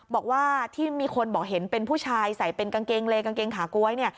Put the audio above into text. บอกว่าที่มีคนบอกเห็นเป็นผู้ชายใส่เป็นกางเกงเลกางเกงขาก๊วยเนี่ย